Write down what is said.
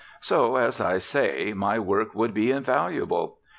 So, as I say, my work would be invaluable.